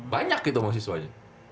banyak gitu mahasiswanya